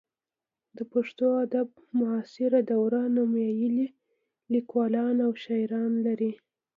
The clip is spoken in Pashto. د پښتو ادب معاصره دوره نومیالي لیکوالان او شاعران لري.